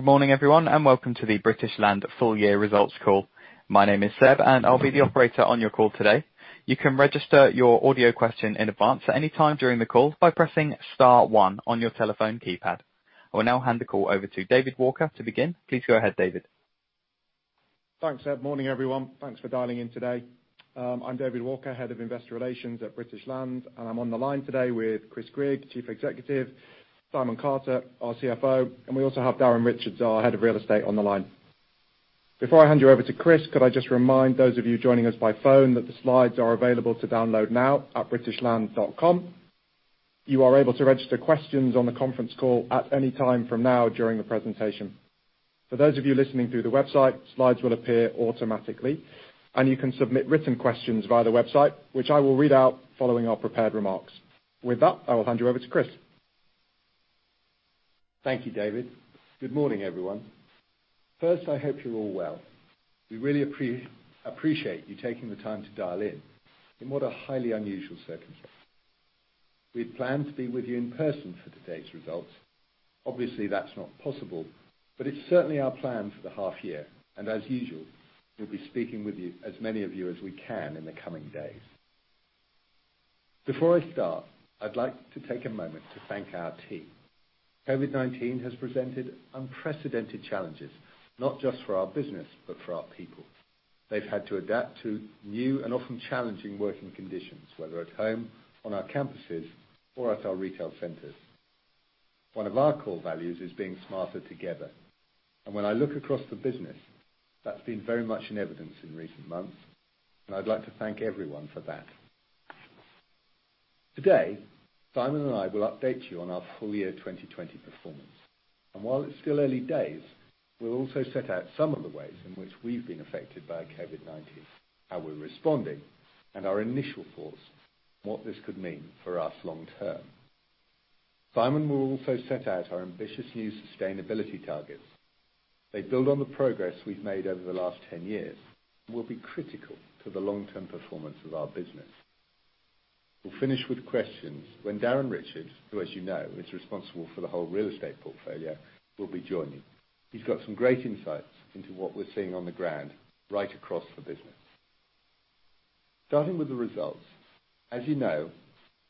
Good morning, everyone, welcome to the British Land full year results call. My name is Seb, I'll be the operator on your call today. You can register your audio question in advance at any time during the call by pressing star one on your telephone keypad. I will now hand the call over to David Walker to begin. Please go ahead, David. Thanks, Seb. Morning, everyone. Thanks for dialing in today. I'm David Walker, Head of Investor Relations at British Land, I'm on the line today with Chris Grigg, Chief Executive, Simon Carter, our CFO, and we also have Darren Richards, our Head of Real Estate on the line. Before I hand you over to Chris, could I just remind those of you joining us by phone that the slides are available to download now at britishland.com. You are able to register questions on the conference call at any time from now during the presentation. For those of you listening through the website, slides will appear automatically, and you can submit written questions via the website, which I will read out following our prepared remarks. With that, I will hand you over to Chris. Thank you, David. Good morning, everyone. First, I hope you're all well. We really appreciate you taking the time to dial in what a highly unusual circumstance. We had planned to be with you in person for today's results. That's not possible, but it's certainly our plan for the half year. As usual, we'll be speaking with as many of you as we can in the coming days. Before I start, I'd like to take a moment to thank our team. COVID-19 has presented unprecedented challenges, not just for our business, but for our people. They've had to adapt to new and often challenging working conditions, whether at home, on our campuses, or at our retail centers. One of our core values is being smarter together, and when I look across the business, that's been very much in evidence in recent months, and I'd like to thank everyone for that. Today, Simon and I will update you on our full year 2020 performance. While it's still early days, we'll also set out some of the ways in which we've been affected by COVID-19, how we're responding, and our initial thoughts on what this could mean for us long term. Simon will also set out our ambitious new sustainability targets. They build on the progress we've made over the last 10 years, will be critical to the long-term performance of our business. We'll finish with questions when Darren Richards, who as you know, is responsible for the whole real estate portfolio, will be joining. He's got some great insights into what we're seeing on the ground right across the business. Starting with the results. As you know,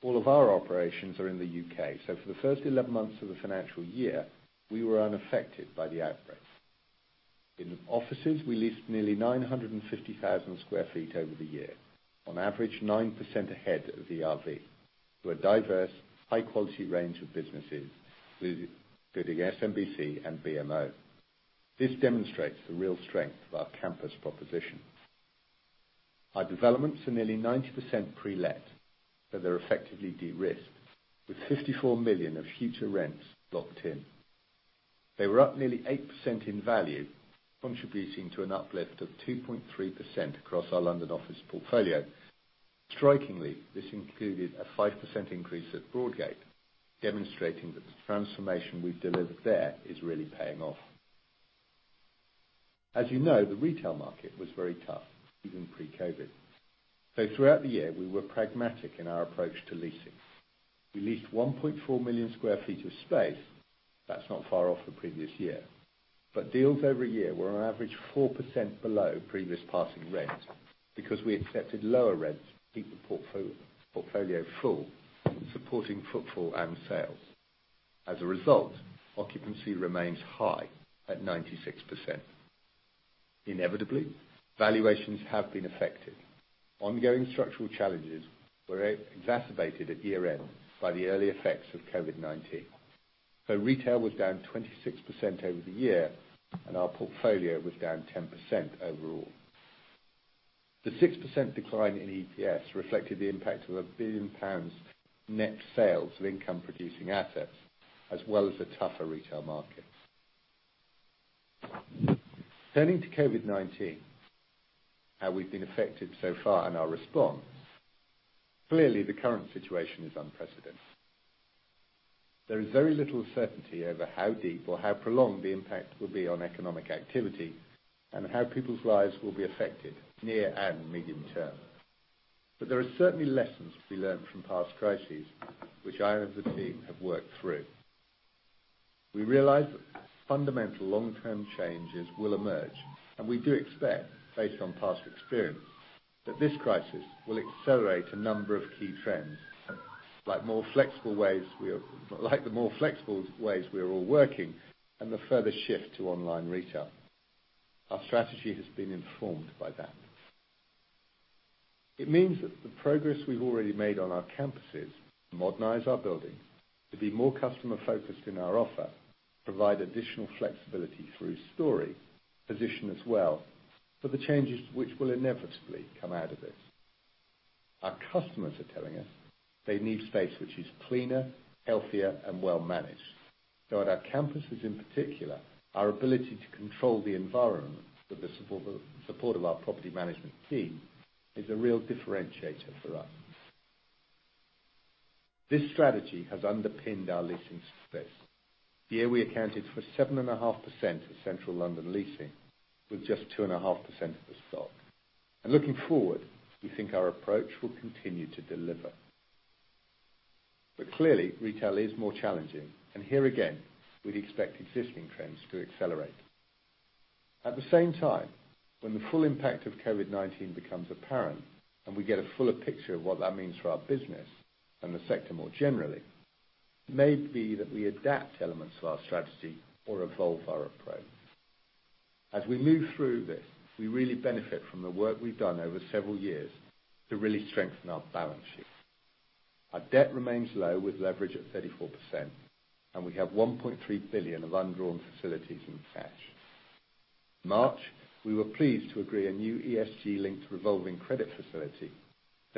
all of our operations are in the UK, so for the first 11 months of the financial year, we were unaffected by the outbreak. In offices, we leased nearly 950,000 square feet over the year, on average, 9% ahead of the ERV, to a diverse, high quality range of businesses, including SMBC and BMO. This demonstrates the real strength of our campus proposition. Our developments are nearly 90% pre-let, so they're effectively de-risked, with 54 million of future rents locked in. They were up nearly 8% in value, contributing to an uplift of 2.3% across our London office portfolio. Strikingly, this included a 5% increase at Broadgate, demonstrating that the transformation we've delivered there is really paying off. As you know, the retail market was very tough, even pre-COVID. Throughout the year, we were pragmatic in our approach to leasing. We leased 1.4 million sq ft of space. That's not far off the previous year. Deals every year were on average 4% below previous passing rent because we accepted lower rents to keep the portfolio full, supporting footfall and sales. As a result, occupancy remains high at 96%. Inevitably, valuations have been affected. Ongoing structural challenges were exacerbated at year-end by the early effects of COVID-19. Retail was down 26% over the year, and our portfolio was down 10% overall. The 6% decline in EPS reflected the impact of 1 billion pounds net sales of income-producing assets, as well as the tougher retail market. Turning to COVID-19, how we've been affected so far and our response. Clearly, the current situation is unprecedented. There is very little certainty over how deep or how prolonged the impact will be on economic activity and how people's lives will be affected near and medium term. There are certainly lessons to be learned from past crises, which I and the team have worked through. We realize that fundamental long-term changes will emerge, and we do expect, based on past experience, that this crisis will accelerate a number of key trends, like the more flexible ways we are all working and the further shift to online retail. Our strategy has been informed by that. It means that the progress we've already made on our campuses, modernize our buildings, to be more customer-focused in our offer, provide additional flexibility through Storey, position us well for the changes which will inevitably come out of this. Our customers are telling us they need space which is cleaner, healthier, and well-managed. At our campuses in particular, our ability to control the environment with the support of our property management team is a real differentiator for us. This strategy has underpinned our leasing success. This year, we accounted for 7.5% of Central London leasing with just 2.5% of the stock. Looking forward, we think our approach will continue to deliver. Clearly, retail is more challenging. Here again, we'd expect existing trends to accelerate. At the same time, when the full impact of COVID-19 becomes apparent and we get a fuller picture of what that means for our business and the sector more generally, it may be that we adapt elements of our strategy or evolve our approach. As we move through this, we really benefit from the work we've done over several years to really strengthen our balance sheet. Our debt remains low, with leverage at 34%, and we have 1.3 billion of undrawn facilities in cash. In March, we were pleased to agree a new ESG-linked revolving credit facility.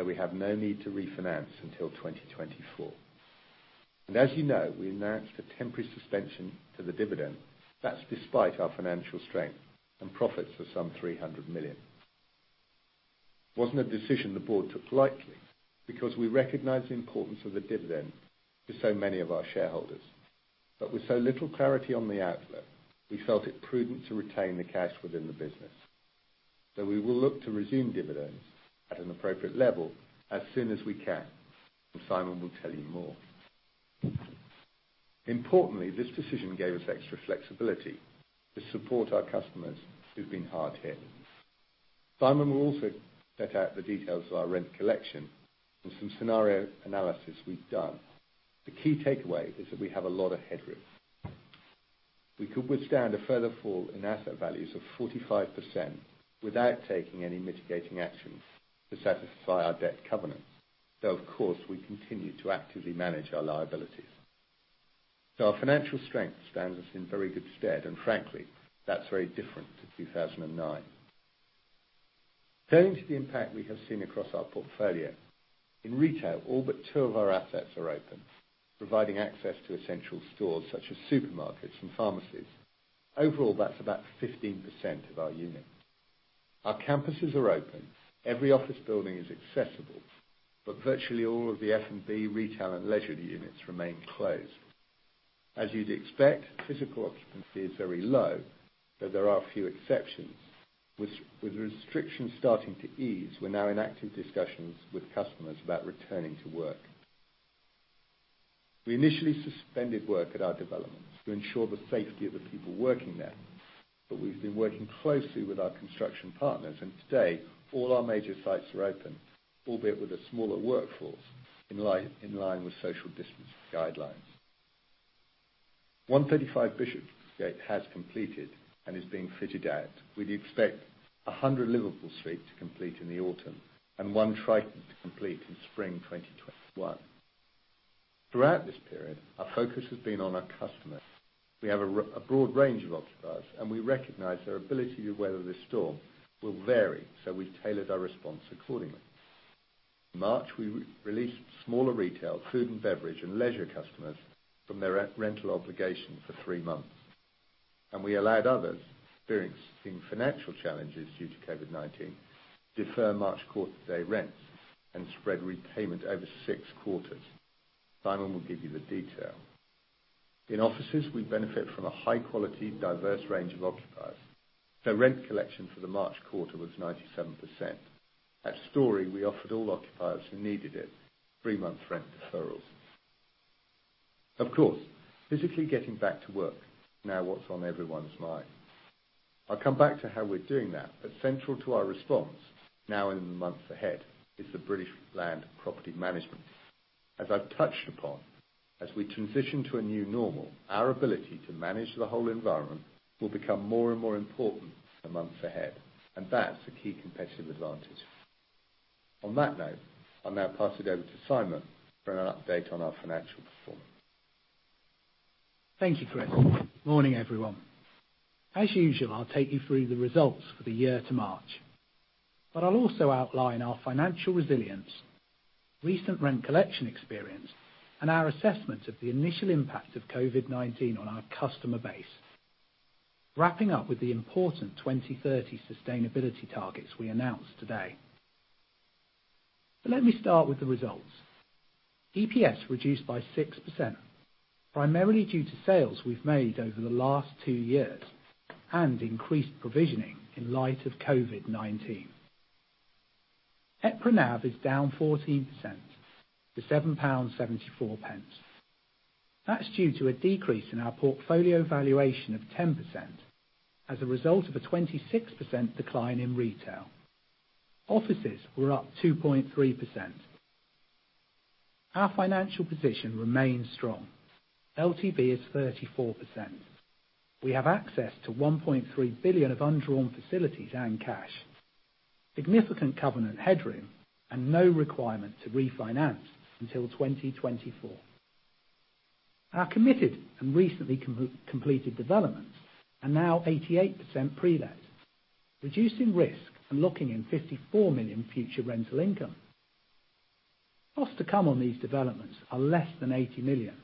We have no need to refinance until 2024. As you know, we announced a temporary suspension to the dividend. That's despite our financial strength and profits of some 300 million. It wasn't a decision the board took lightly, because we recognize the importance of the dividend to so many of our shareholders. With so little clarity on the outlook, we felt it prudent to retain the cash within the business. We will look to resume dividends at an appropriate level as soon as we can. Simon will tell you more. Importantly, this decision gave us extra flexibility to support our customers who've been hard hit. Simon will also set out the details of our rent collection and some scenario analysis we've done. The key takeaway is that we have a lot of headroom. We could withstand a further fall in asset values of 45% without taking any mitigating actions to satisfy our debt covenants. Of course, we continue to actively manage our liabilities. Our financial strength stands us in very good stead, and frankly, that's very different to 2009. Turning to the impact we have seen across our portfolio. In retail, all but two of our assets are open, providing access to essential stores such as supermarkets and pharmacies. Overall, that's about 15% of our units. Our campuses are open. Every office building is accessible, but virtually all of the F&B, retail, and leisure units remain closed. As you'd expect, physical occupancy is very low, though there are a few exceptions. With restrictions starting to ease, we're now in active discussions with customers about returning to work. We initially suspended work at our developments to ensure the safety of the people working there, but we've been working closely with our construction partners, and today all our major sites are open, albeit with a smaller workforce in line with social distancing guidelines. 135 Bishopsgate has completed and is being fitted out. We'd expect 100 Liverpool Street to complete in the autumn, and One Triton to complete in spring 2021. Throughout this period, our focus has been on our customers. We have a broad range of occupiers, and we recognize their ability to weather this storm will vary, so we've tailored our response accordingly. In March, we released smaller retail, food and beverage, and leisure customers from their rental obligation for three months. We allowed others experiencing financial challenges due to COVID-19 defer March quarter day rents and spread repayment over six quarters. Simon will give you the detail. In offices, we benefit from a high-quality, diverse range of occupiers. Rent collection for the March quarter was 97%. At Storey, we offered all occupiers who needed it three-month rent deferrals. Of course, physically getting back to work now what's on everyone's mind. I'll come back to how we're doing that. Central to our response, now and in the months ahead, is the British Land property management. As I've touched upon, as we transition to a new normal, our ability to manage the whole environment will become more and more important in the months ahead. That's a key competitive advantage. On that note, I'll now pass it over to Simon for an update on our financial performance. Thank you, Chris. Morning, everyone. As usual, I'll take you through the results for the year to March, I'll also outline our financial resilience, recent rent collection experience, and our assessment of the initial impact of COVID-19 on our customer base, wrapping up with the important 2030 sustainability targets we announced today. Let me start with the results. EPS reduced by 6%, primarily due to sales we've made over the last two years and increased provisioning in light of COVID-19. EPRA NAV is down 14% to 7.74 pounds. That's due to a decrease in our portfolio valuation of 10% as a result of a 26% decline in retail. Offices were up 2.3%. Our financial position remains strong. LTV is 34%. We have access to 1.3 billion of undrawn facilities and cash, significant covenant headroom, and no requirement to refinance until 2024. Our committed and recently completed developments are now 88% prelet, reducing risk and locking in 54 million future rental income. Costs to come on these developments are less than 80 million,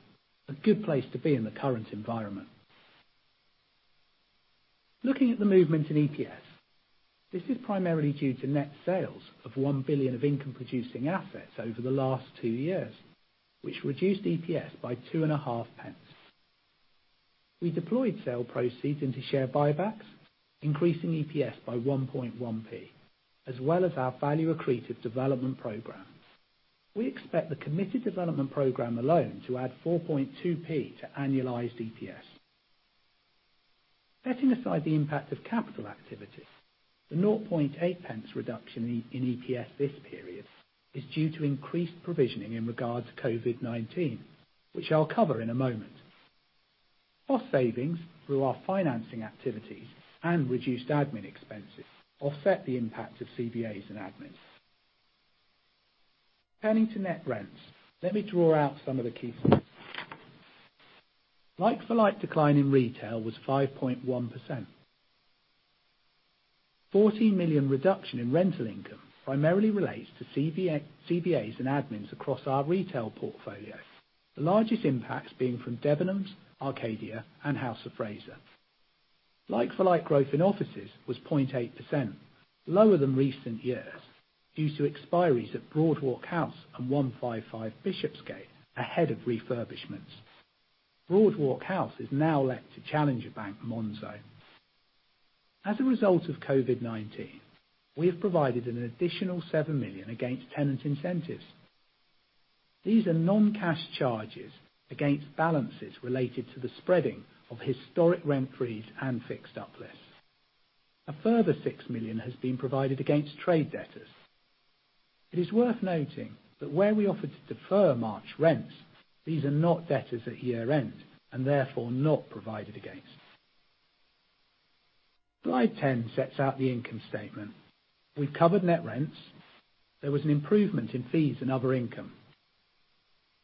a good place to be in the current environment. Looking at the movement in EPS, this is primarily due to net sales of 1 billion of income-producing assets over the last two years, which reduced EPS by 0.025. We deployed sale proceeds into share buybacks, increasing EPS by 0.011, as well as our value accretive development programs. We expect the committed development program alone to add 0.042 to annualized EPS. Setting aside the impact of capital activity, the 0.008 reduction in EPS this period is due to increased provisioning in regards to COVID-19, which I'll cover in a moment. Cost savings through our financing activities and reduced admin expenses offset the impact of CVAs and administrations. Turning to net rents, let me draw out some of the key points. Like-for-like decline in retail was 5.1%. 40 million reduction in rental income primarily relates to CVAs and administrations across our retail portfolio, the largest impacts being from Debenhams, Arcadia, and House of Fraser. Like-for-like growth in offices was 0.8%, lower than recent years due to expiries at Broadwalk House and 155 Bishopsgate ahead of refurbishments. Broadwalk House is now let to challenger bank Monzo. As a result of COVID-19, we have provided an additional 7 million against tenant incentives. These are non-cash charges against balances related to the spreading of historic rent freeze and fixed uplift. A further 6 million has been provided against trade debtors. It is worth noting that where we offer to defer March rents, these are not debtors at year-end, and therefore not provided against. Slide 10 sets out the income statement. We've covered net rents. There was an improvement in fees and other income.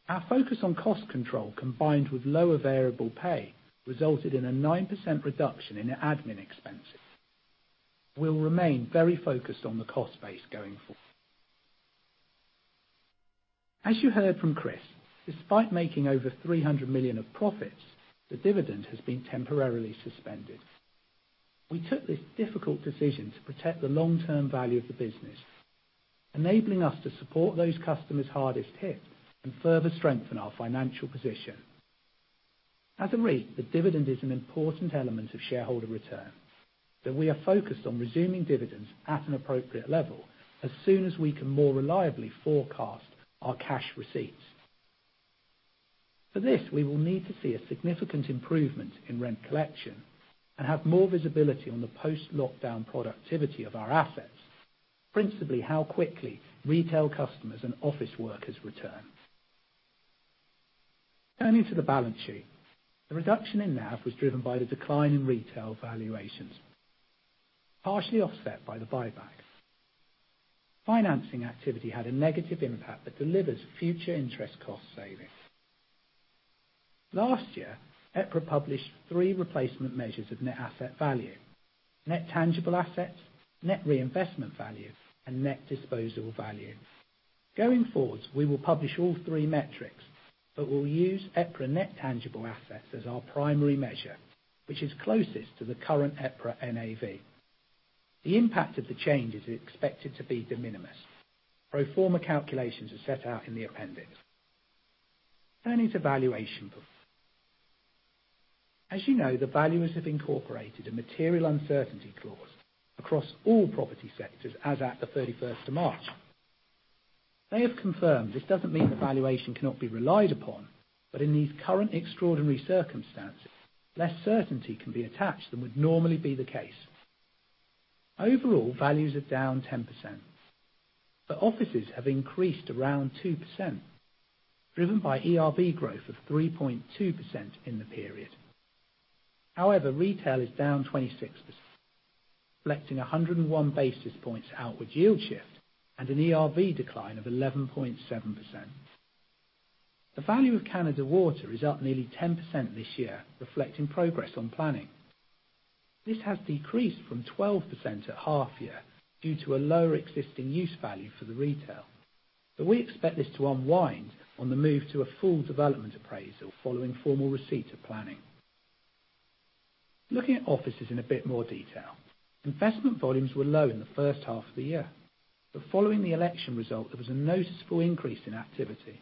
Our focus on cost control, combined with lower variable pay, resulted in a 9% reduction in admin expenses. We'll remain very focused on the cost base going forward. As you heard from Chris, despite making over 300 million of profits, the dividend has been temporarily suspended. We took this difficult decision to protect the long-term value of the business, enabling us to support those customers hardest hit and further strengthen our financial position. As a REIT, the dividend is an important element of shareholder return, that we are focused on resuming dividends at an appropriate level as soon as we can more reliably forecast our cash receipts. For this, we will need to see a significant improvement in rent collection and have more visibility on the post-lockdown productivity of our assets, principally how quickly retail customers and office workers return. Turning to the balance sheet, the reduction in NAV was driven by the decline in retail valuations, partially offset by the buyback. Financing activity had a negative impact that delivers future interest cost savings. Last year, EPRA published three replacement measures of net asset value, net tangible assets, net reinstatement value, and net disposal value. Going forwards, we will publish all three metrics, but we'll use EPRA net tangible assets as our primary measure, which is closest to the current EPRA NAV. The impact of the change is expected to be de minimis, pro forma calculations are set out in the appendix. Turning to valuation. As you know, the valuers have incorporated a material uncertainty clause across all property sectors as at the 31st of March. They have confirmed this doesn't mean the valuation cannot be relied upon, but in these current extraordinary circumstances, less certainty can be attached than would normally be the case. Overall, values are down 10%, but offices have increased around 2%, driven by ERV growth of 3.2% in the period. Retail is down 26%, reflecting 101 basis points outward yield shift and an ERV decline of 11.7%. The value of Canada Water is up nearly 10% this year, reflecting progress on planning. This has decreased from 12% at half year due to a lower existing use value for the retail. We expect this to unwind on the move to a full development appraisal following formal receipt of planning. Looking at offices in a bit more detail, investment volumes were low in the first half of the year, but following the election result, there was a noticeable increase in activity.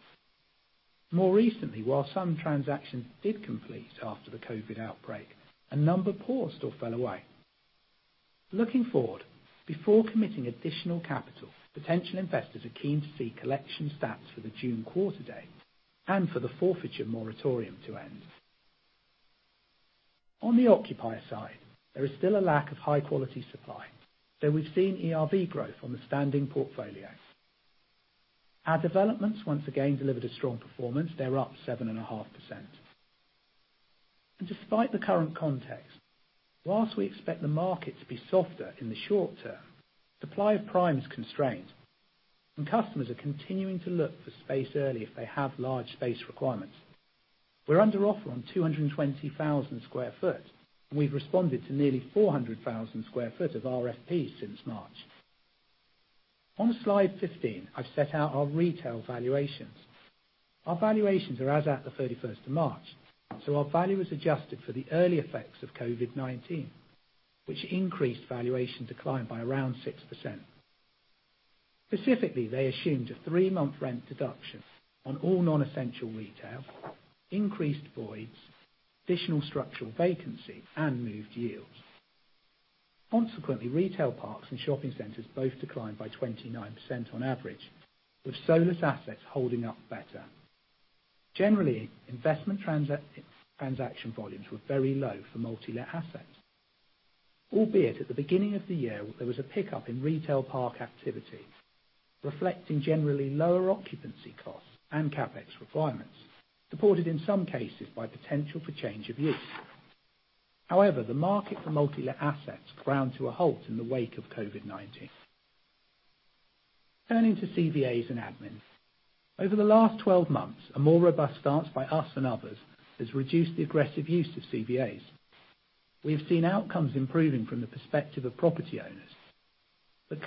More recently, while some transactions did complete after the COVID outbreak, a number paused or fell away. Looking forward, before committing additional capital, potential investors are keen to see collection stats for the June quarter date and for the forfeiture moratorium to end. On the occupier side, there is still a lack of high-quality supply, so we've seen ERV growth on the standing portfolio. Our developments once again delivered a strong performance. They're up 7.5%. Despite the current context, whilst we expect the market to be softer in the short term, supply of prime is constrained, and customers are continuing to look for space early if they have large space requirements. We're under offer on 220,000 sq ft. We've responded to nearly 400,000 sq ft of RFPs since March. On slide 15, I've set out our retail valuations. Our valuations are as at the 31st of March, so our value is adjusted for the early effects of COVID-19, which increased valuation decline by around 6%. Specifically, they assumed a three-month rent deduction on all non-essential retail, increased voids, additional structural vacancy, and moved yields. Consequently, retail parks and shopping centers both declined by 29% on average, with solo assets holding up better. Albeit, at the beginning of the year, there was a pickup in retail park activity, reflecting generally lower occupancy costs and CapEx requirements, supported in some cases by potential for change of use. However, the market for multi-let assets ground to a halt in the wake of COVID-19. Turning to CVAs and administrations. Over the last 12 months, a more robust stance by us and others has reduced the aggressive use of CVAs.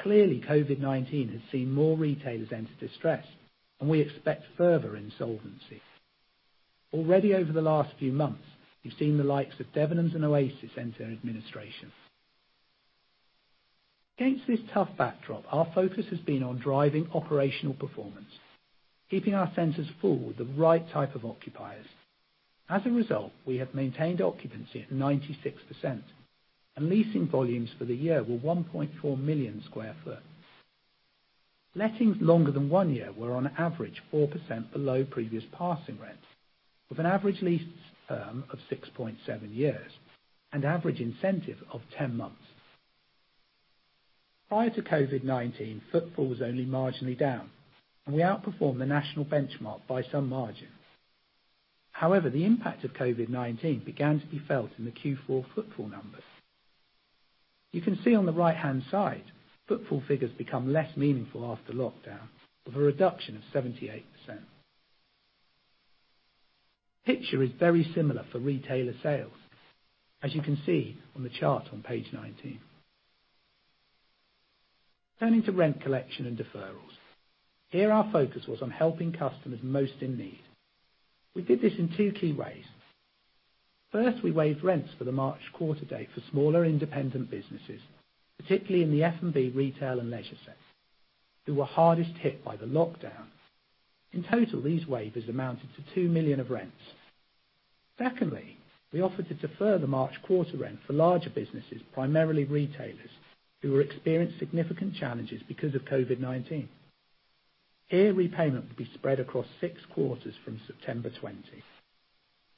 Clearly, COVID-19 has seen more retailers enter distress, and we expect further insolvency. Already over the last few months, we've seen the likes of Debenhams and Oasis enter administration. Against this tough backdrop, our focus has been on driving operational performance, keeping our centers full with the right type of occupiers. As a result, we have maintained occupancy at 96%, and leasing volumes for the year were 1.4 million sq ft. Lettings longer than one year were on average 4% below previous passing rents, with an average lease term of 6.7 years and average incentive of 10 months. Prior to COVID-19, footfall was only marginally down, and we outperformed the national benchmark by some margin. The impact of COVID-19 began to be felt in the Q4 footfall numbers. You can see on the right-hand side, footfall figures become less meaningful after lockdown, with a reduction of 78%. Picture is very similar for retailer sales, as you can see on the chart on page 19. Turning to rent collection and deferrals. Here our focus was on helping customers most in need. We did this in two key ways. First, we waived rents for the March quarter date for smaller independent businesses, particularly in the F&B retail and leisure sector, who were hardest hit by the lockdown. In total, these waivers amounted to 2 million of rents. Secondly, we offered to defer the March quarter rent for larger businesses, primarily retailers, who were experienced significant challenges because of COVID-19. Here, repayment will be spread across six quarters from September 2020.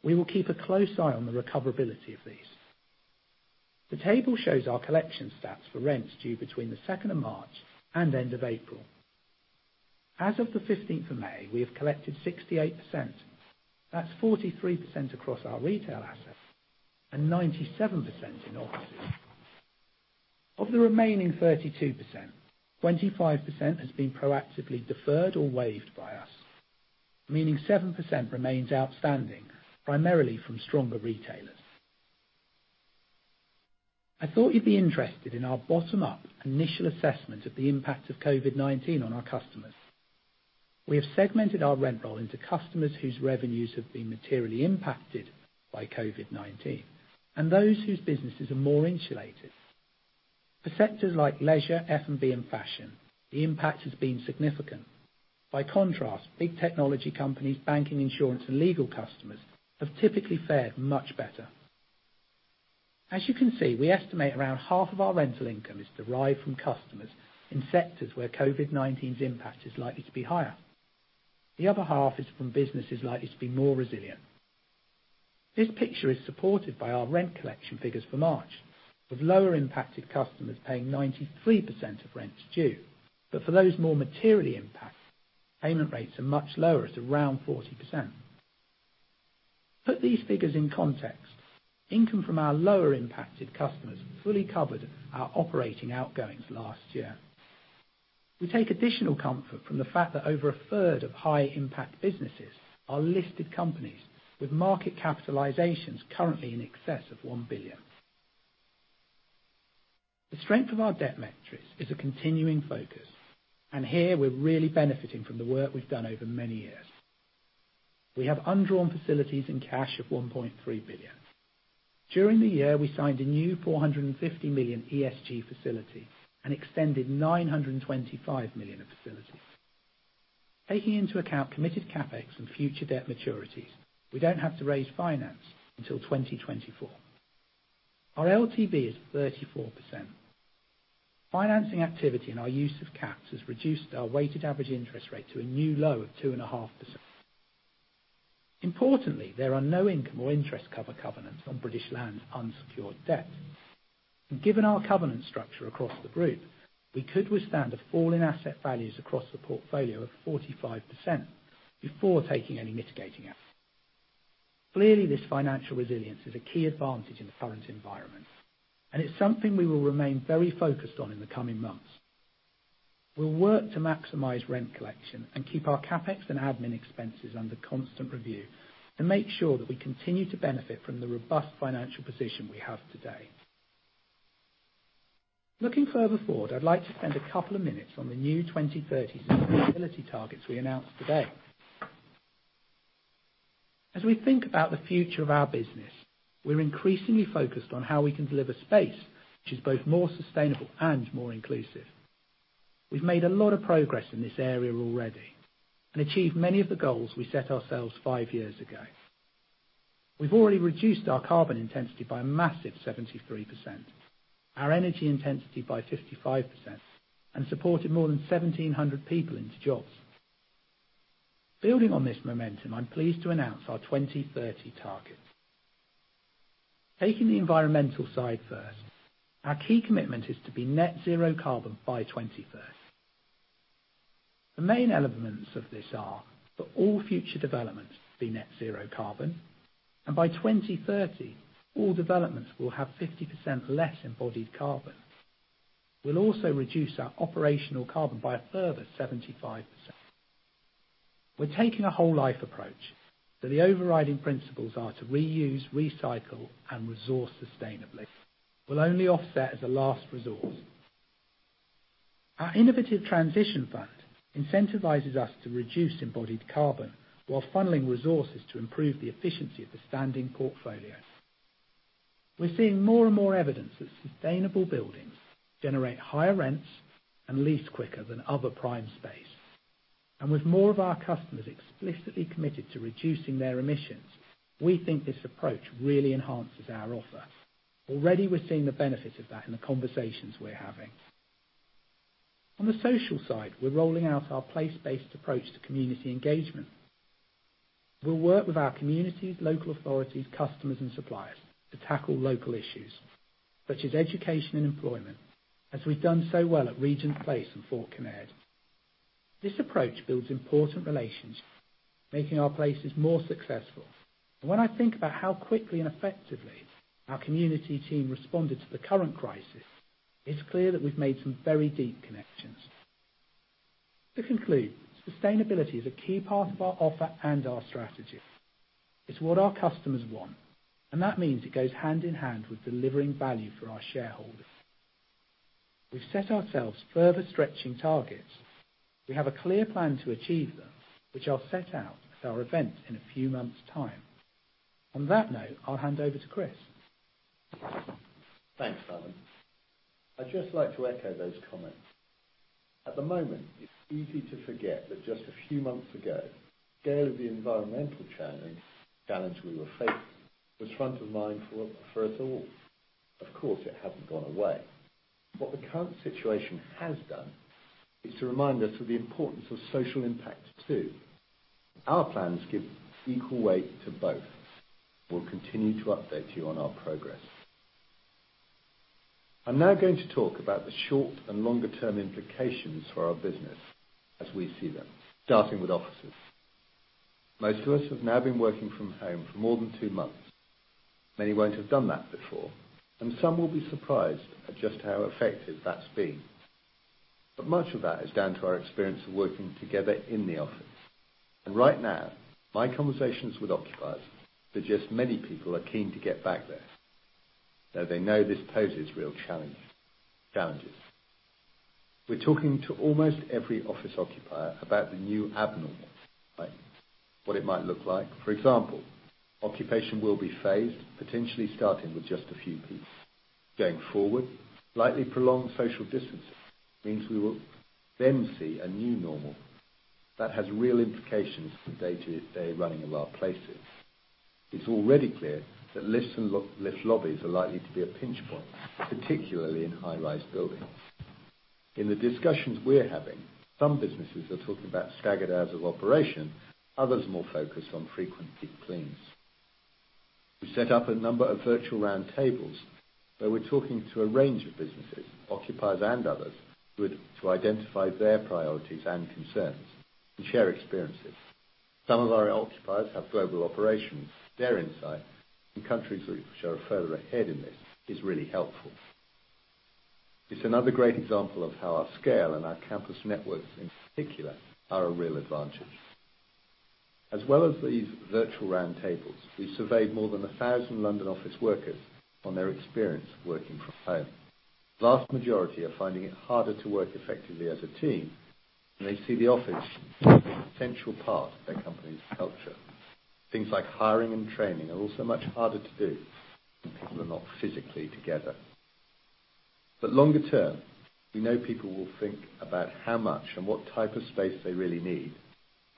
We will keep a close eye on the recoverability of these. The table shows our collection stats for rents due between the 2nd of March and end of April. As of the 15th of May, we have collected 68%. That's 43% across our retail assets and 97% in offices. Of the remaining 32%, 25% has been proactively deferred or waived by us, meaning 7% remains outstanding, primarily from stronger retailers. I thought you'd be interested in our bottom-up initial assessment of the impact of COVID-19 on our customers. We have segmented our rent roll into customers whose revenues have been materially impacted by COVID-19, and those whose businesses are more insulated. For sectors like leisure, F&B, and fashion, the impact has been significant. By contrast, big technology companies, banking, insurance, and legal customers have typically fared much better. As you can see, we estimate around half of our rental income is derived from customers in sectors where COVID-19's impact is likely to be higher. The other half is from businesses likely to be more resilient. This picture is supported by our rent collection figures for March, with lower impacted customers paying 93% of rents due, but for those more materially impacted, payment rates are much lower at around 40%. Put these figures in context. Income from our lower impacted customers fully covered our operating outgoings last year. We take additional comfort from the fact that over a third of high impact businesses are listed companies with market capitalizations currently in excess of 1 billion. The strength of our debt metrics is a continuing focus. Here we're really benefiting from the work we've done over many years. We have undrawn facilities in cash of 1.3 billion. During the year, we signed a new 450 million ESG facility and extended 925 million of facilities. Taking into account committed CapEx and future debt maturities, we don't have to raise finance until 2024. Our LTV is 34%. Financing activity in our use of caps has reduced our weighted average interest rate to a new low of 2.5%. Importantly, there are no income or interest cover covenants on British Land's unsecured debt. Given our covenant structure across the group, we could withstand a fall in asset values across the portfolio of 45% before taking any mitigating action. Clearly, this financial resilience is a key advantage in the current environment, and it's something we will remain very focused on in the coming months. We'll work to maximize rent collection and keep our CapEx and admin expenses under constant review and make sure that we continue to benefit from the robust financial position we have today. Looking further forward, I'd like to spend a couple of minutes on the new 2030 sustainability targets we announced today. As we think about the future of our business, we're increasingly focused on how we can deliver space which is both more sustainable and more inclusive. We've made a lot of progress in this area already and achieved many of the goals we set ourselves five years ago. We've already reduced our carbon intensity by a massive 73%, our energy intensity by 55%, and supported more than 1,700 people into jobs. Building on this momentum, I'm pleased to announce our 2030 targets. Taking the environmental side first, our key commitment is to be net zero carbon by 2030. The main elements of this are for all future developments to be net zero carbon, and by 2030, all developments will have 50% less embodied carbon. We'll also reduce our operational carbon by a further 75%. We're taking a whole-life approach, so the overriding principles are to reuse, recycle, and resource sustainably. We'll only offset as a last resort. Our innovative transition fund incentivizes us to reduce embodied carbon while funneling resources to improve the efficiency of the standing portfolio. We're seeing more and more evidence that sustainable buildings generate higher rents and lease quicker than other prime space. With more of our customers explicitly committed to reducing their emissions, we think this approach really enhances our offer. Already we're seeing the benefits of that in the conversations we're having. On the social side, we're rolling out our place-based approach to community engagement. We'll work with our communities, local authorities, customers, and suppliers to tackle local issues such as education and employment, as we've done so well at Regent's Place in Fort Kent. This approach builds important relationships, making our places more successful. When I think about how quickly and effectively our community team responded to the current crisis, it's clear that we've made some very deep connections. To conclude, sustainability is a key part of our offer and our strategy. It's what our customers want, and that means it goes hand in hand with delivering value for our shareholders. We've set ourselves further stretching targets. We have a clear plan to achieve them, which I'll set out at our event in a few months' time. On that note, I'll hand over to Chris. Thanks, Simon. I'd just like to echo those comments. At the moment, it's easy to forget that just a few months ago, the scale of the environmental challenge we were facing was front of mind for us all. Of course, it hasn't gone away. What the current situation has done is to remind us of the importance of social impact, too. Our plans give equal weight to both. We'll continue to update you on our progress. I'm now going to talk about the short and longer-term implications for our business as we see them, starting with offices. Most of us have now been working from home for more than two months. Many won't have done that before. Some will be surprised at just how effective that's been. Much of that is down to our experience of working together in the office. Right now, my conversations with occupiers suggest many people are keen to get back there, though they know this poses real challenges. We're talking to almost every office occupier about the new abnormal, right? What it might look like. For example, occupation will be phased, potentially starting with just a few people. Going forward, slightly prolonged social distancing means we will then see a new normal that has real implications for the day-to-day running of our places. It's already clear that lifts and lift lobbies are likely to be a pinch point, particularly in high-rise buildings. In the discussions we're having, some businesses are talking about staggered hours of operation, others more focused on frequent deep cleans. We've set up a number of virtual roundtables where we're talking to a range of businesses, occupiers, and others to identify their priorities and concerns and share experiences. Some of our occupiers have global operations. Their insight in countries which are further ahead in this is really helpful. It's another great example of how our scale and our campus networks in particular are a real advantage. As well as these virtual roundtables, we surveyed more than 1,000 London office workers on their experience working from home. Vast majority are finding it harder to work effectively as a team, and they see the office as an essential part of their company's culture. Things like hiring and training are also much harder to do when people are not physically together. Longer term, we know people will think about how much and what type of space they really need,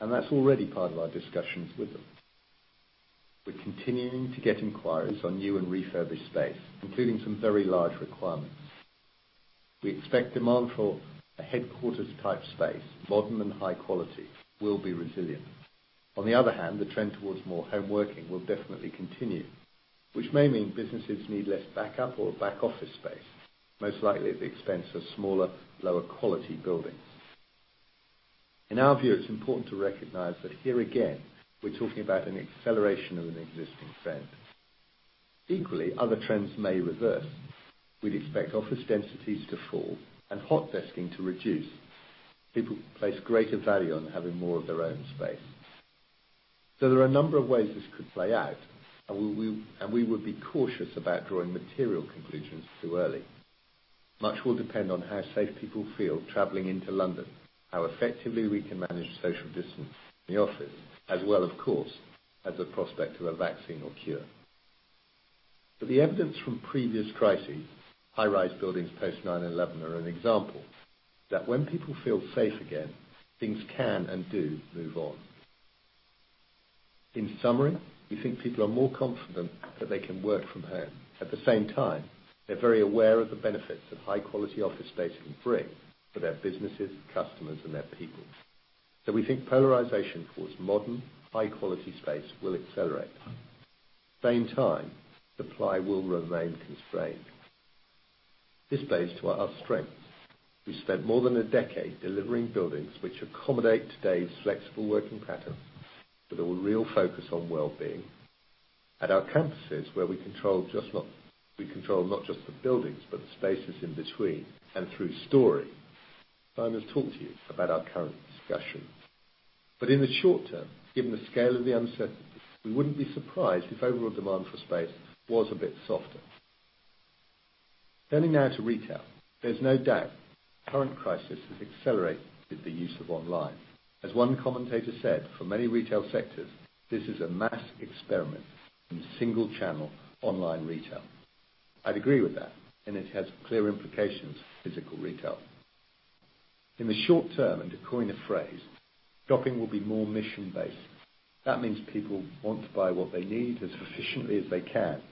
and that's already part of our discussions with them. We're continuing to get inquiries on new and refurbished space, including some very large requirements. We expect demand for a headquarters-type space, modern and high quality, will be resilient. On the other hand, the trend towards more home working will definitely continue, which may mean businesses need less backup or back-office space, most likely at the expense of smaller, lower quality buildings. In our view, it's important to recognize that here again, we're talking about an acceleration of an existing trend. Equally, other trends may reverse. We'd expect office densities to fall and hot desking to reduce. People place greater value on having more of their own space. There are a number of ways this could play out, and we would be cautious about drawing material conclusions too early. Much will depend on how safe people feel traveling into London, how effectively we can manage social distance in the office, as well, of course, as the prospect of a vaccine or cure. The evidence from previous crises, high-rise buildings post 9/11 are an example, that when people feel safe again, things can and do move on. In summary, we think people are more confident that they can work from home. At the same time, they're very aware of the benefits that high-quality office space can bring for their businesses, customers, and their people. We think polarization towards modern, high-quality space will accelerate. At the same time, supply will remain constrained. This plays to our strengths. We spent more than a decade delivering buildings which accommodate today's flexible working patterns with a real focus on wellbeing. At our campuses, where we control not just the buildings, but the spaces in between and through Storey. Simon will talk to you about our current discussions. In the short term, given the scale of the uncertainty, we wouldn't be surprised if overall demand for space was a bit softer. Turning now to retail. There's no doubt the current crisis has accelerated the use of online. As one commentator said, for many retail sectors, this is a mass experiment in single-channel online retail. I'd agree with that. It has clear implications for physical retail. In the short term, to coin a phrase, shopping will be more mission-based. That means people want to buy what they need as efficiently as they can.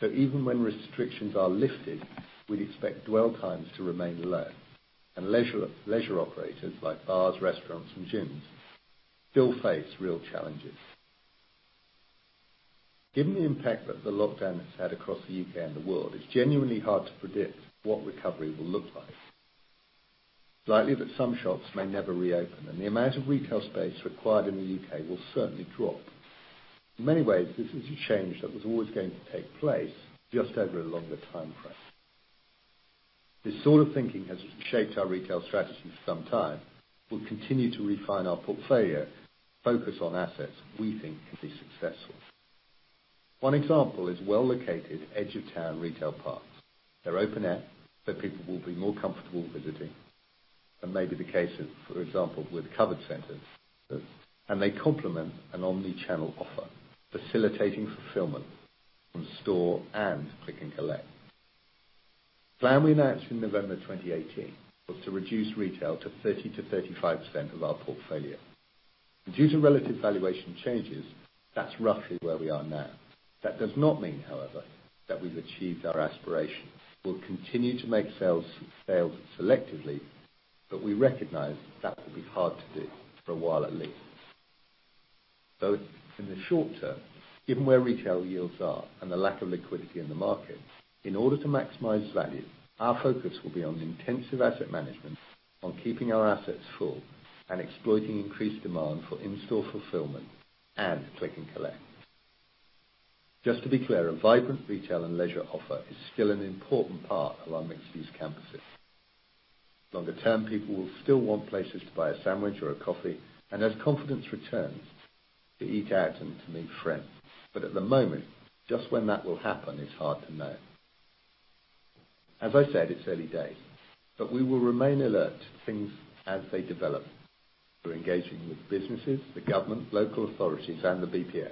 Even when restrictions are lifted, we'd expect dwell times to remain low. Leisure operators, like bars, restaurants, and gyms, still face real challenges. Given the impact that the lockdown has had across the U.K. and the world, it's genuinely hard to predict what recovery will look like. It's likely that some shops may never reopen, and the amount of retail space required in the U.K. will certainly drop. In many ways, this is a change that was always going to take place, just over a longer timeframe. This sort of thinking has shaped our retail strategy for some time. We'll continue to refine our portfolio, focused on assets we think can be successful. One example is well-located edge-of-town retail parks. They're open-air, so people will be more comfortable visiting, than may be the case, for example, with covered centers, and they complement an omni-channel offer, facilitating fulfillment from store and click and collect. The plan we announced in November 2018 was to reduce retail to 30%-35% of our portfolio. Due to relative valuation changes, that's roughly where we are now. That does not mean, however, that we've achieved our aspiration. We'll continue to make sales selectively. We recognize that will be hard to do for a while at least. In the short term, given where retail yields are and the lack of liquidity in the market, in order to maximize value, our focus will be on intensive asset management, on keeping our assets full, and exploiting increased demand for in-store fulfillment and click and collect. To be clear, a vibrant retail and leisure offer is still an important part of our mixed-use campuses. Longer term, people will still want places to buy a sandwich or a coffee, and as confidence returns, to eat out and to meet friends. At the moment, just when that will happen is hard to know. As I said, it's early days, but we will remain alert to things as they develop. We're engaging with businesses, the government, local authorities, and the BPF.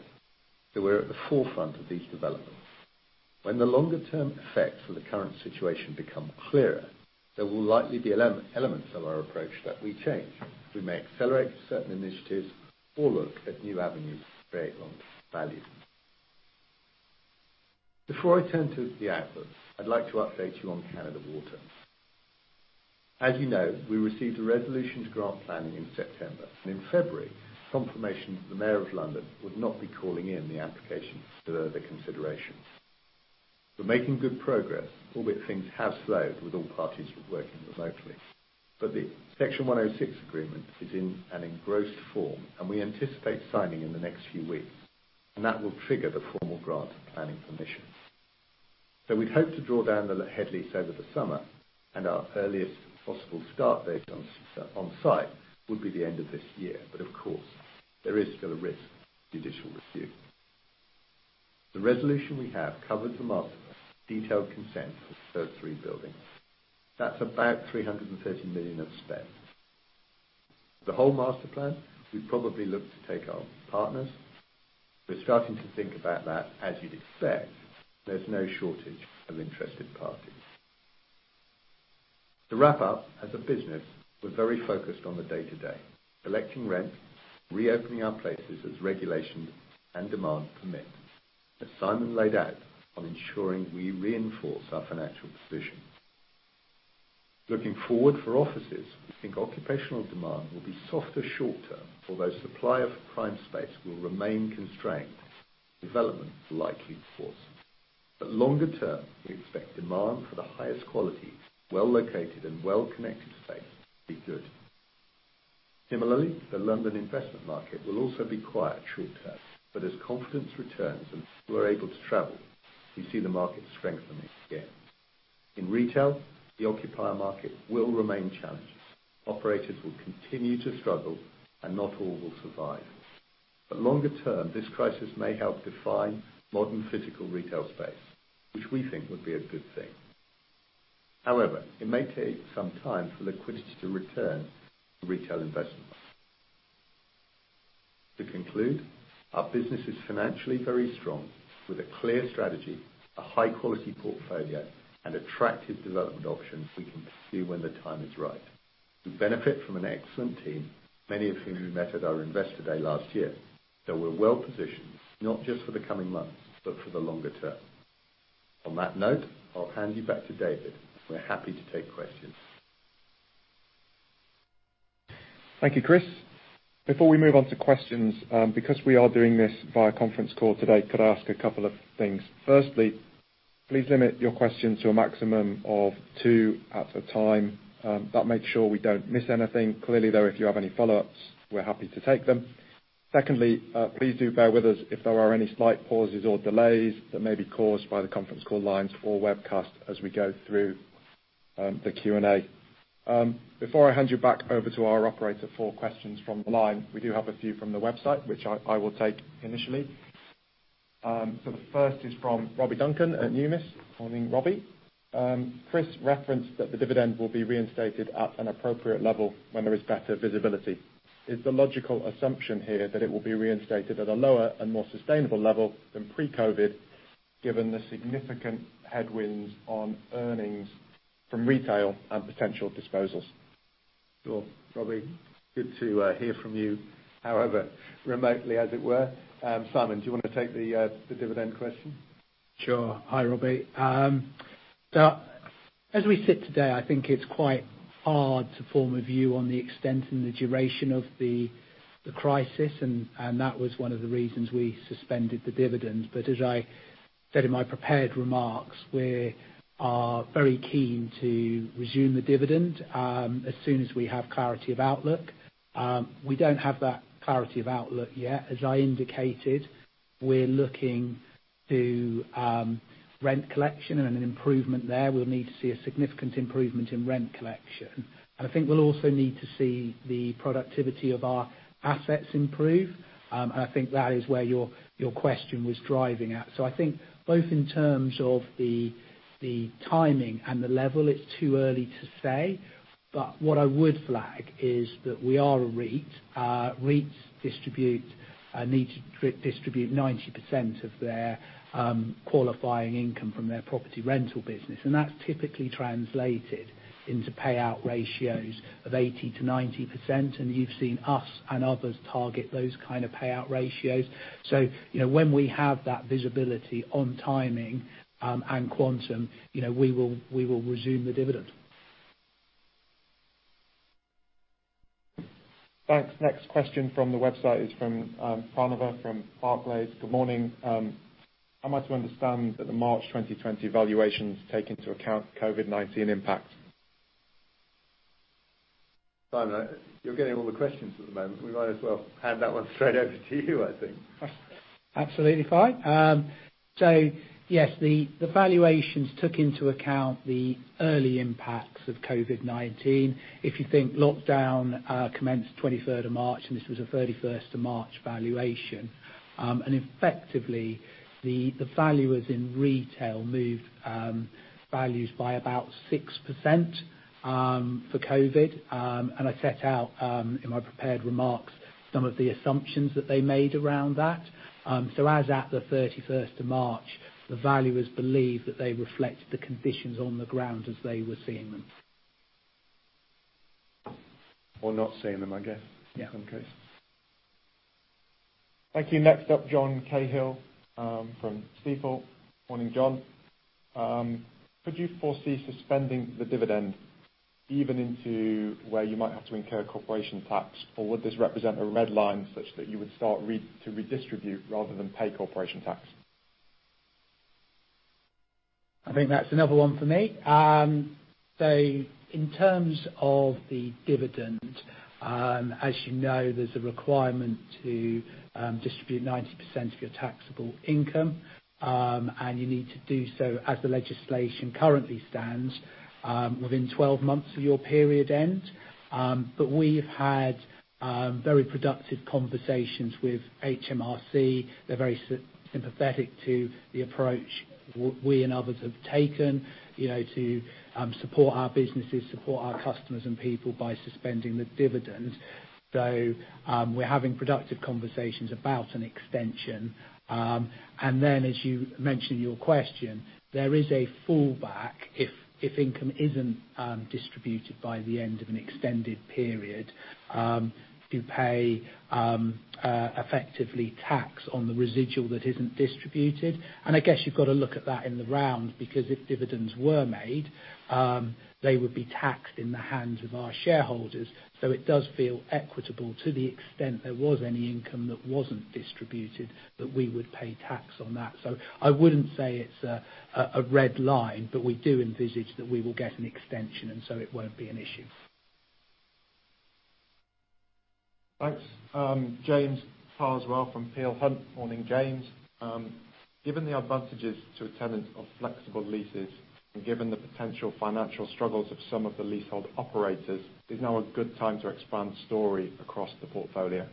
We're at the forefront of these developments. When the longer-term effects of the current situation become clearer, there will likely be elements of our approach that we change. We may accelerate certain initiatives or look at new avenues to create value. Before I turn to the outlook, I'd like to update you on Canada Water. As you know, we received a resolution to grant planning in September. In February, confirmation that the Mayor of London would not be calling in the application for further consideration. We're making good progress, albeit things have slowed with all parties working remotely. The Section 106 agreement is in an engrossed form. We anticipate signing in the next few weeks. That will trigger the formal grant of planning permission. We'd hope to draw down the headlease over the summer, and our earliest possible start date on site would be the end of this year. Of course, there is still a risk of judicial review. The resolution we have covers the master plan, detailed consent for the third 3 buildings. That's about 330 million of spend. For the whole master plan, we probably look to take on partners. We're starting to think about that. As you'd expect, there's no shortage of interested parties. To wrap up, as a business, we're very focused on the day-to-day. Collecting rent, reopening our places as regulations and demand permit. As Simon laid out, on ensuring we reinforce our financial position. Looking forward, for offices, we think occupational demand will be softer short term. Although supply of prime space will remain constrained, development is likely to fall. Longer term, we expect demand for the highest quality, well-located, and well-connected space to be good. Similarly, the London investment market will also be quiet short term. As confidence returns and people are able to travel, we see the market strengthening again. In retail, the occupier market will remain challenged. Operators will continue to struggle, and not all will survive. Longer term, this crisis may help define modern physical retail space, which we think would be a good thing. However, it may take some time for liquidity to return to retail investment. To conclude, our business is financially very strong, with a clear strategy, a high-quality portfolio, and attractive development options we can pursue when the time is right. We benefit from an excellent team, many of whom you met at our Investor Day last year, so we're well positioned, not just for the coming months, but for the longer term. On that note, I'll hand you back to David. We're happy to take questions. Thank you, Chris. Before we move on to questions, because we are doing this via conference call today, could I ask a couple of things? Firstly, please limit your questions to a maximum of two at a time. That makes sure we don't miss anything. Clearly, though, if you have any follow-ups, we're happy to take them. Secondly, please do bear with us if there are any slight pauses or delays that may be caused by the conference call lines or webcast as we go through the Q&A. Before I hand you back over to our operator for questions from the line, we do have a few from the website, which I will take initially. The first is from Robbie Duncan at Numis. Morning, Robbie. Chris referenced that the dividend will be reinstated at an appropriate level when there is better visibility. Is the logical assumption here that it will be reinstated at a lower and more sustainable level than pre-COVID, given the significant headwinds on earnings from retail and potential disposals? Sure. Robbie, good to hear from you, however remotely as it were. Simon, do you want to take the dividend question? Sure. Hi, Robbie. As we sit today, I think it's quite hard to form a view on the extent and the duration of the crisis. That was one of the reasons we suspended the dividend. As I said in my prepared remarks, we are very keen to resume the dividend, as soon as we have clarity of outlook. We don't have that clarity of outlook yet. As I indicated, we're looking to rent collection and an improvement there. We'll need to see a significant improvement in rent collection. I think we'll also need to see the productivity of our assets improve. I think that is where your question was driving at. I think both in terms of the timing and the level, it's too early to say. What I would flag is that we are a REIT. REITs need to distribute 90% of their qualifying income from their property rental business, and that's typically translated into payout ratios of 80% to 90%, and you've seen us and others target those kind of payout ratios. When we have that visibility on timing and quantum, we will resume the dividend. Thanks. Next question from the website is from Pranav from Barclays. Good morning. Am I to understand that the March 2020 valuations take into account COVID-19 impact? Simon, you're getting all the questions at the moment. We might as well hand that one straight over to you, I think. Absolutely fine. Yes, the valuations took into account the early impacts of COVID-19. If you think, lockdown commenced 23rd of March, and this was a 31st of March valuation. Effectively, the valuers in retail moved values by about 6% for COVID. I set out in my prepared remarks some of the assumptions that they made around that. As at the 31st of March, the valuers believe that they reflect the conditions on the ground as they were seeing them. I'm not seeing them, I guess. Yeah in some cases. Thank you. Next up, John Cahill from Stifel. Morning, John. Could you foresee suspending the dividend even into where you might have to incur corporation tax, or would this represent a red line such that you would start to redistribute rather than pay corporation tax? I think that's another one for me. In terms of the dividend, as you know, there's a requirement to distribute 90% of your taxable income, and you need to do so as the legislation currently stands within 12 months of your period end. We've had very productive conversations with HMRC. They're very sympathetic to the approach we and others have taken to support our businesses, support our customers and people by suspending the dividends. We're having productive conversations about an extension, and then as you mentioned in your question, there is a fallback if income isn't distributed by the end of an extended period, to pay effectively tax on the residual that isn't distributed. I guess you've got to look at that in the round because if dividends were made, they would be taxed in the hands of our shareholders. It does feel equitable to the extent there was any income that wasn't distributed, that we would pay tax on that. I wouldn't say it's a red line, but we do envisage that we will get an extension, and so it won't be an issue. Thanks. James Carswell from Peel Hunt. Morning, James. Given the advantages to a tenant of flexible leases and given the potential financial struggles of some of the leasehold operators, is now a good time to expand Storey across the portfolio?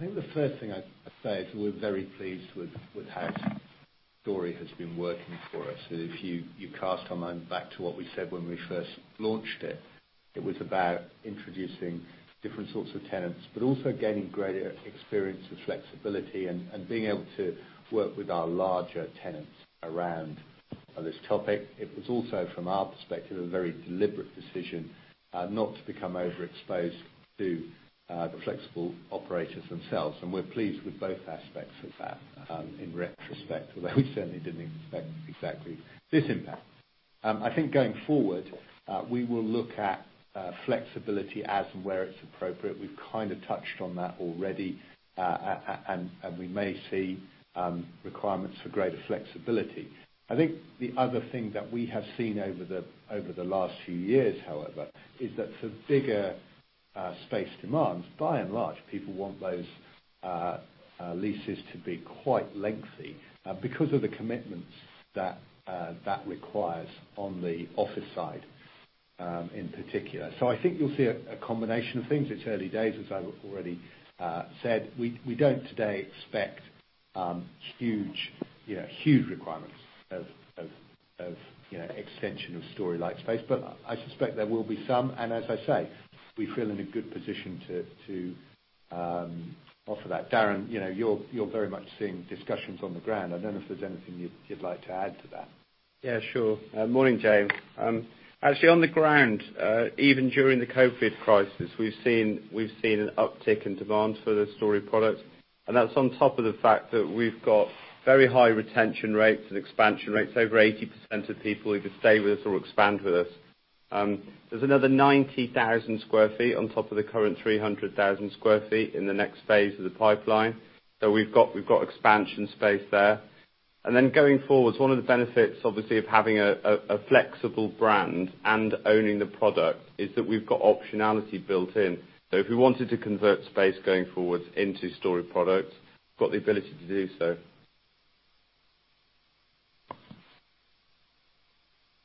I think the first thing I'd say is we're very pleased with how Storey has been working for us. If you cast your mind back to what we said when we first launched it was about introducing different sorts of tenants, but also gaining greater experience with flexibility and being able to work with our larger tenants around this topic. It was also, from our perspective, a very deliberate decision not to become overexposed to the flexible operators themselves, and we're pleased with both aspects of that in retrospect, although we certainly didn't expect exactly this impact. I think going forward, we will look at flexibility as and where it's appropriate. We've kind of touched on that already, and we may see requirements for greater flexibility. I think the other thing that we have seen over the last few years, however, is that for bigger space demands, by and large, people want those leases to be quite lengthy because of the commitments that that requires on the office side in particular. I think you'll see a combination of things. It's early days, as I've already said. We don't today expect huge requirements of extension of Storey-like space. I suspect there will be some, and as I say, we feel in a good position to offer that. Darren, you're very much seeing discussions on the ground. I don't know if there's anything you'd like to add to that. Yeah, sure. Morning, James. Actually, on the ground, even during the COVID crisis, we've seen an uptick in demand for the Storey product. That's on top of the fact that we've got very high retention rates and expansion rates. Over 80% of people either stay with us or expand with us. There's another 90,000 square feet on top of the current 300,000 square feet in the next phase of the pipeline. We've got expansion space there. Going forwards, one of the benefits, obviously, of having a flexible brand and owning the product is that we've got optionality built in. If we wanted to convert space going forwards into Storey product, we've got the ability to do so.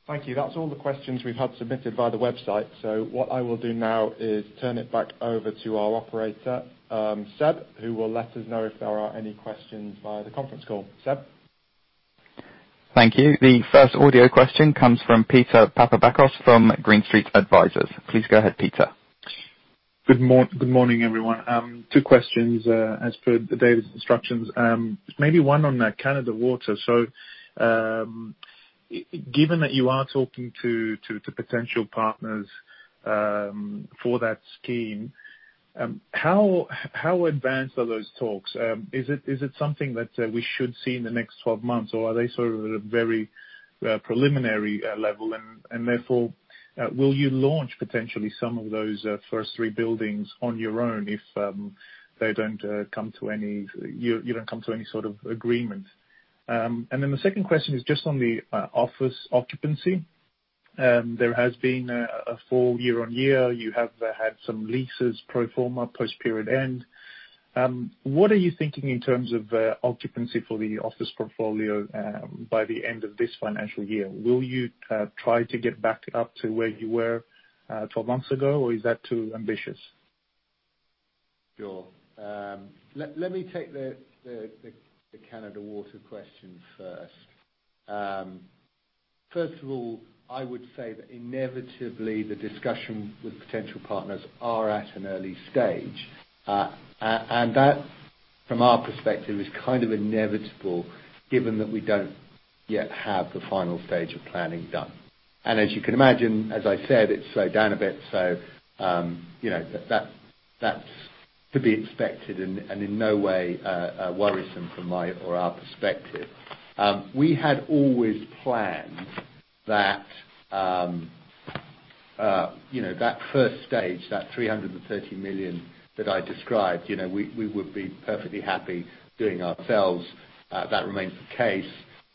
Thank you. That's all the questions we've had submitted via the website. What I will do now is turn it back over to our operator, Seb, who will let us know if there are any questions via the conference call. Seb? Thank you. The first audio question comes from Peter Papadakos from Green Street Advisors. Please go ahead, Peter. Good morning, everyone. Two questions, as per David's instructions. One on Canada Water. Given that you are talking to potential partners for that scheme, how advanced are those talks? Is it something that we should see in the next 12 months, or are they sort of at a very preliminary level, and therefore, will you launch potentially some of those first three buildings on your own if you don't come to any sort of agreement? The second question is just on the office occupancy. There has been a full year-on-year. You have had some leases pro forma post period end. What are you thinking in terms of occupancy for the office portfolio by the end of this financial year? Will you try to get back up to where you were 12 months ago, or is that too ambitious? Sure. Let me take the Canada Water question first. First of all, I would say that inevitably the discussion with potential partners are at an early stage. That, from our perspective, is kind of inevitable given that we don't yet have the final stage of planning done. As you can imagine, as I said, it's slowed down a bit, so that's to be expected and in no way worrisome from my or our perspective. We had always planned that first stage, that 330 million that I described, we would be perfectly happy doing ourselves. That remains the case,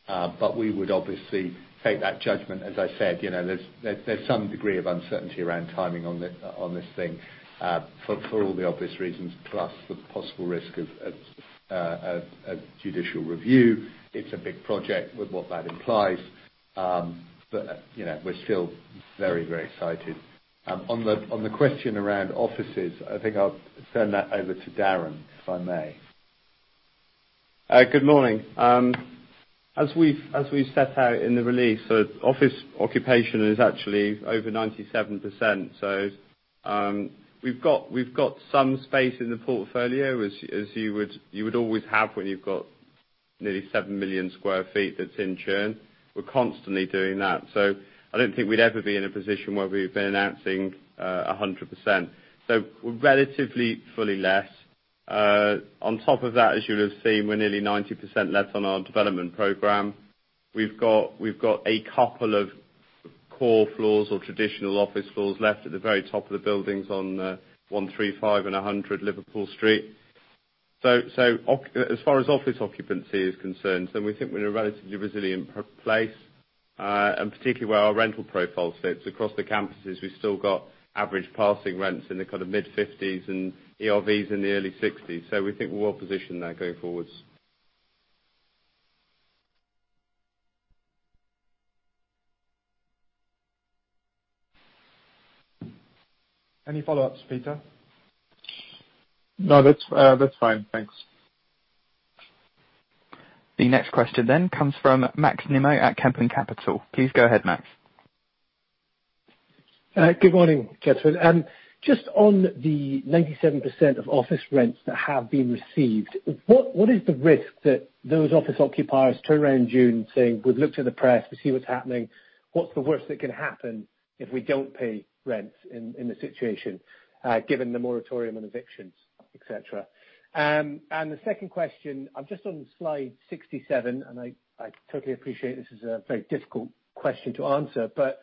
but we would obviously take that judgment. As I said, there's some degree of uncertainty around timing on this thing for all the obvious reasons, plus the possible risk of a judicial review. It's a big project with what that implies, but we're still very excited. On the question around offices, I think I will send that over to Darren, if I may. Good morning. As we set out in the release, office occupation is actually over 97%. We've got some space in the portfolio as you would always have when you've got nearly 7 million sq ft that's in churn. We're constantly doing that. I don't think we'd ever be in a position where we'd be announcing 100%. We're relatively fully let. On top of that, as you would have seen, we're nearly 90% let on our development program. We've got a couple of core floors or traditional office floors left at the very top of the buildings on 135 and 100 Liverpool Street. As far as office occupancy is concerned, we think we're in a relatively resilient place, and particularly where our rental profile sits. Across the campuses, we've still got average passing rents in the kind of GBP mid-50s and ERVs in the GBP early 60s. We think we're well positioned there going forwards. Any follow-ups, Peter? No, that's fine. Thanks. The next question comes from Max Nimmo at Kempen Capital. Please go ahead, Max. Good morning, Catherine. Just on the 97% of office rents that have been received, what is the risk that those office occupiers turn around in June saying, "We've looked at the press, we see what's happening. What's the worst that can happen if we don't pay rent in the situation, given the moratorium on evictions, et cetera?" The second question, I'm just on slide 67, and I totally appreciate this is a very difficult question to answer, but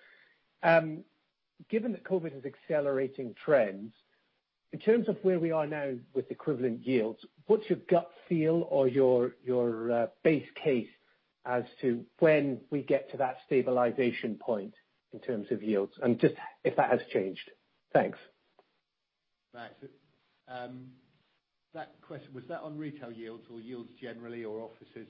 given that COVID is accelerating trends, in terms of where we are now with equivalent yields, what's your gut feel or your base case as to when we get to that stabilization point in terms of yields? Just if that has changed. Thanks. Max. That question, was that on retail yields or yields generally, or offices?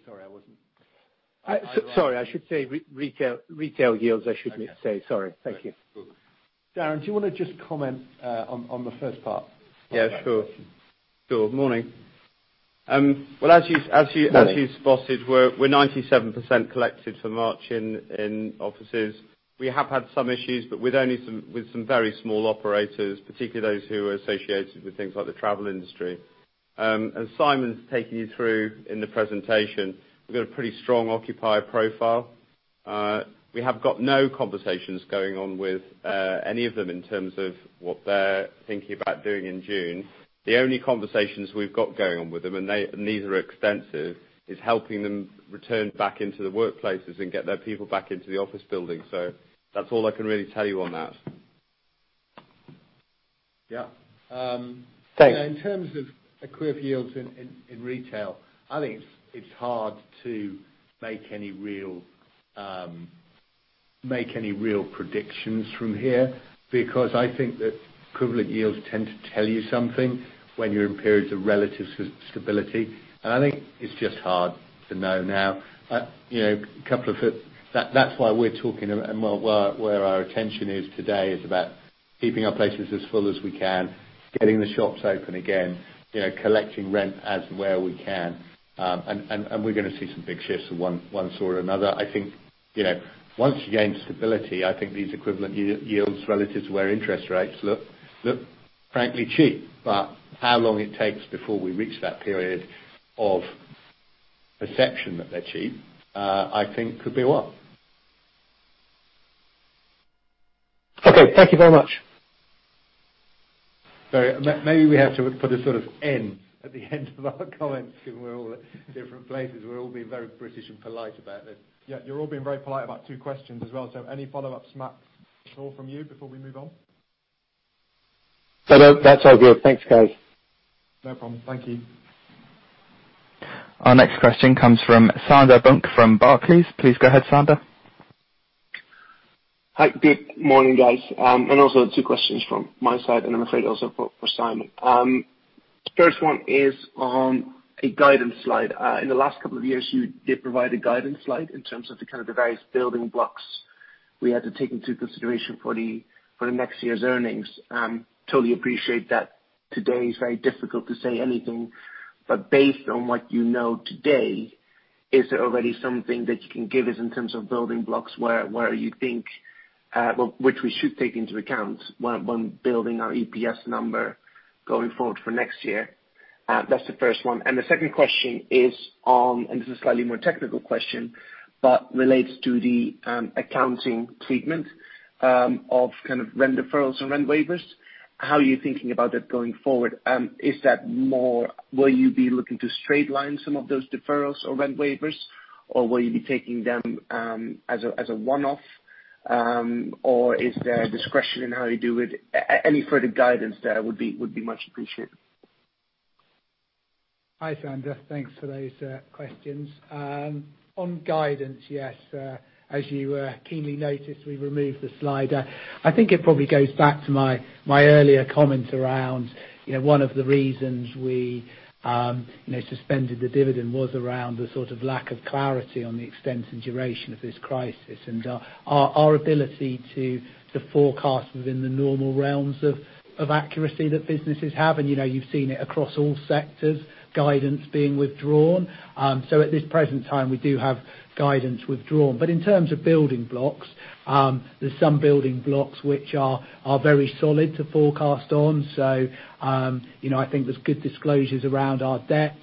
Sorry, I should say retail yields, I should say. Sorry. Thank you. That's cool. Darren, do you want to just comment on the first part? Yeah, sure. Morning. Well. Morning As you spotted, we're 97% collected for March in offices. We have had some issues, but with some very small operators, particularly those who are associated with things like the travel industry. As Simon's taking you through in the presentation, we've got a pretty strong occupier profile. We have got no conversations going on with any of them in terms of what they're thinking about doing in June. The only conversations we've got going on with them, and neither are extensive, is helping them return back into the workplaces and get their people back into the office building. That's all I can really tell you on that. Yeah. Thanks. In terms of equivalent yields in retail, I think it's hard to make any real predictions from here, because I think that equivalent yields tend to tell you something when you're in periods of relative stability. I think it's just hard to know now. That's why we're talking and where our attention is today is about keeping our places as full as we can, getting the shops open again, collecting rent as where we can. We're going to see some big shifts of one sort or another. I think, once you gain stability, I think these equivalent yields relative to where interest rates look frankly cheap. How long it takes before we reach that period of perception that they're cheap, I think could be a while. Okay. Thank you very much. Sorry. Maybe we have to put a sort of N at the end of our comments because we're all at different places. We're all being very British and polite about this. Yeah, you're all being very polite about two questions as well. Any follow-ups, Max, at all from you before we move on? No. That's all good. Thanks, guys. No problem. Thank you. Our next question comes from Sander Bunck from Barclays. Please go ahead, Sander. Hi. Good morning, guys. Also two questions from my side, and I'm afraid also for Simon. First one is on a guidance slide. In the last couple of years, you did provide a guidance slide in terms of the kind of the various building blocks we had to take into consideration for the next year's earnings. Totally appreciate that today is very difficult to say anything. Based on what you know today, is there already something that you can give us in terms of building blocks where you think, which we should take into account when building our EPS number going forward for next year? That's the first one. The second question is on, this is a slightly more technical question, but relates to the accounting treatment of kind of rent deferrals and rent waivers. How are you thinking about that going forward? Is that more will you be looking to straight line some of those deferrals or rent waivers, or will you be taking them as a one-off? Or is there discretion in how you do it? Any further guidance there would be much appreciated. Hi, Sander. Thanks for those questions. On guidance, yes, as you keenly noticed, we removed the slider. I think it probably goes back to my earlier comment around one of the reasons we suspended the dividend was around the sort of lack of clarity on the extent and duration of this crisis and our ability to forecast within the normal realms of accuracy that businesses have. You've seen it across all sectors, guidance being withdrawn. At this present time, we do have guidance withdrawn. In terms of building blocks, there's some building blocks which are very solid to forecast on. I think there's good disclosures around our debt.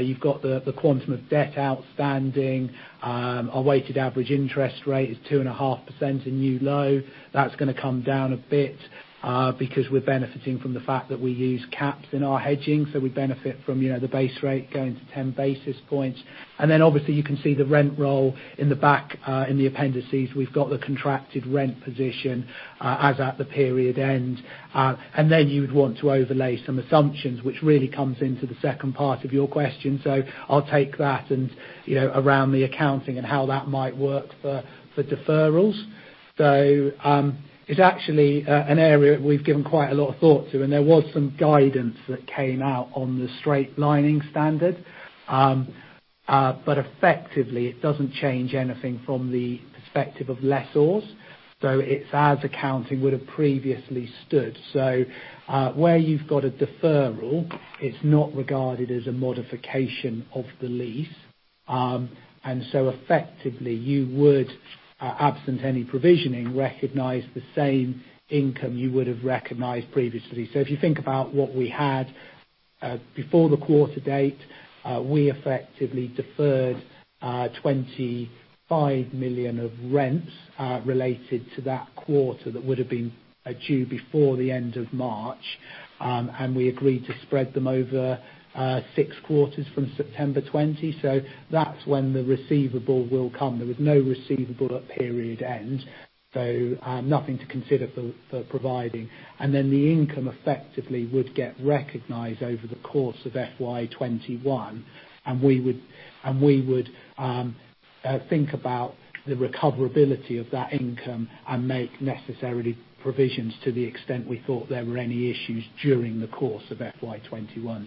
You've got the quantum of debt outstanding. Our weighted average interest rate is 2.5%, a new low. That's going to come down a bit, because we're benefiting from the fact that we use caps in our hedging, so we benefit from the base rate going to 10 basis points. Obviously, you can see the rent roll in the back, in the appendices. We've got the contracted rent position as at the period end. You would want to overlay some assumptions, which really comes into the second part of your question. I'll take that and around the accounting and how that might work for deferrals. It's actually an area we've given quite a lot of thought to, and there was some guidance that came out on the straight lining standard. Effectively, it doesn't change anything from the perspective of lessors. It's as accounting would have previously stood. Where you've got a deferral, it's not regarded as a modification of the lease. Effectively, you would, absent any provisioning, recognize the same income you would have recognized previously. If you think about what we had before the quarter date, we effectively deferred 25 million of rents related to that quarter that would have been due before the end of March, and we agreed to spread them over six quarters from September 2020. That's when the receivable will come. There was no receivable at period end, so nothing to consider for providing. The income effectively would get recognized over the course of FY 2021, and we would think about the recoverability of that income and make necessary provisions to the extent we thought there were any issues during the course of FY 2021.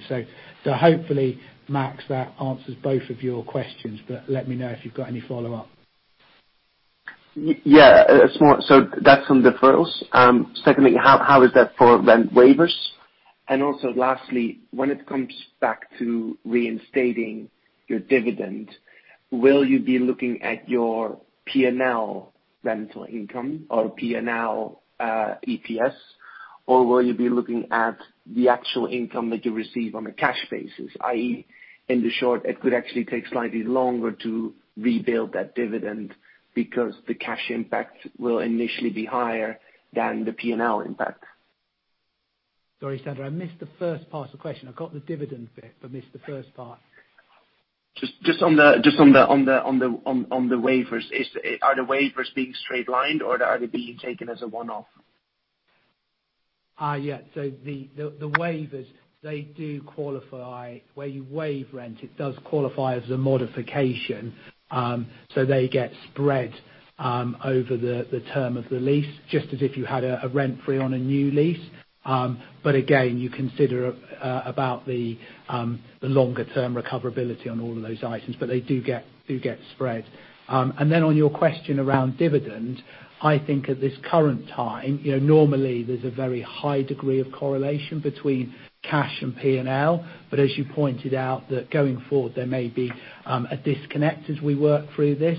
Hopefully, Max, that answers both of your questions, but let me know if you've got any follow-up. Yeah. That's on deferrals. Secondly, how is that for rent waivers? Lastly, when it comes back to reinstating your dividend, will you be looking at your P&L rental income or P&L EPS, or will you be looking at the actual income that you receive on a cash basis, i.e., in the short, it could actually take slightly longer to rebuild that dividend because the cash impact will initially be higher than the P&L impact? Sorry, Sander. I missed the first part of the question. I got the dividend bit, but missed the first part. Just on the waivers, are the waivers being straight-lined, or are they being taken as a one-off? The waivers, where you waive rent, it does qualify as a modification. They get spread over the term of the lease, just as if you had a rent-free on a new lease. Again, you consider about the longer-term recoverability on all of those items. They do get spread. Then on your question around dividend, I think at this current time, normally there's a very high degree of correlation between cash and P&L. As you pointed out, that going forward, there may be a disconnect as we work through this.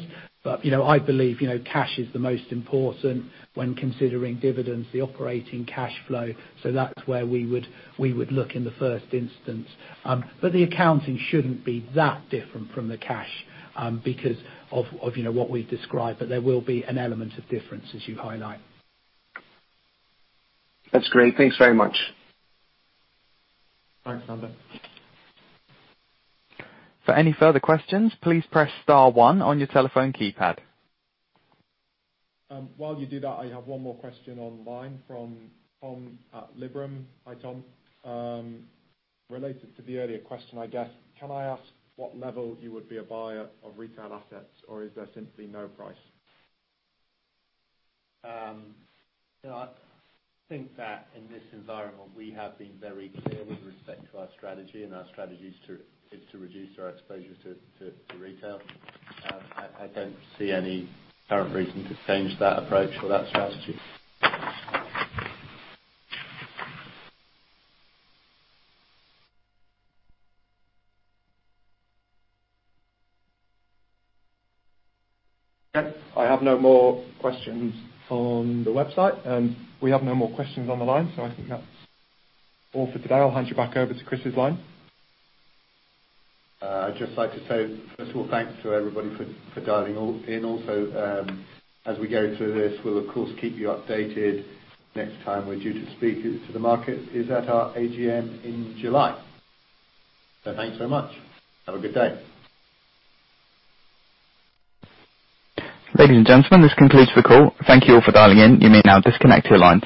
I believe cash is the most important when considering dividends, the operating cash flow. That's where we would look in the first instance. The accounting shouldn't be that different from the cash because of what we've described. There will be an element of difference as you highlight. That's great. Thanks very much. Thanks, Sander. For any further questions, please press star one on your telephone keypad. While you do that, I have one more question online from Tom at Liberum. Hi, Tom. Related to the earlier question, I guess, can I ask what level you would be a buyer of retail assets or is there simply no price? I think that in this environment we have been very clear with respect to our strategy and our strategy is to reduce our exposure to retail. I don't see any current reason to change that approach or that strategy. Okay. I have no more questions on the website. We have no more questions on the line. I think that's all for today. I'll hand you back over to Chris' line. I'd just like to say, first of all, thanks to everybody for dialing in. As we go through this, we'll of course keep you updated. Next time we're due to speak to the market is at our AGM in July. Thanks so much. Have a good day. Ladies and gentlemen, this concludes the call. Thank you all for dialing in. You may now disconnect your lines.